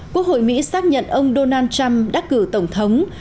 quốc hội mỹ xác nhận ông donald trump đắc cử tổng thống